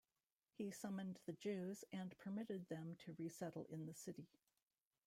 He summoned the Jews and permitted them to resettle in the city.